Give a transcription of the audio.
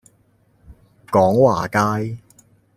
廣華街